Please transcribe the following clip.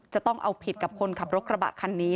จะต้องเอาผิดกับคนขับรถกระบะคันนี้